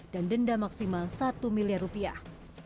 dan denda maksimal satu miliar rupiah